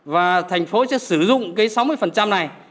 và thành phố sẽ sử dụng cái sáu mươi này